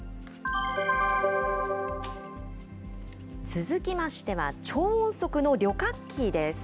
続きましては、超音速の旅客機です。